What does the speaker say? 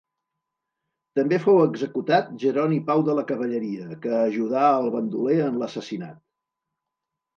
També fou executat Jeroni Pau de la Cavalleria, que ajudà el bandoler en l'assassinat.